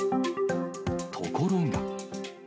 ところが。